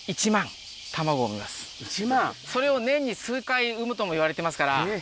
それを年に数回産むともいわれてますから。